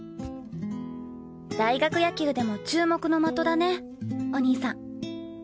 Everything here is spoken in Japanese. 大学野球でも注目の的だねお兄さん。